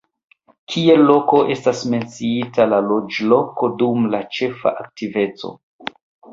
Kiel loko estas menciita la loĝloko dum la ĉefa aktiveco.